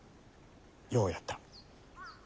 ようやった。